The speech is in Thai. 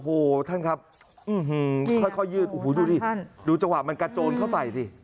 อึ้งค่อยยืดดูที่ดูจังหวะมันกระโจนเขาใส่สิ